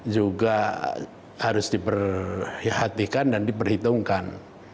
juga harus diperhatikan dan diperhitungkan